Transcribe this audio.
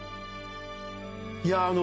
いやあの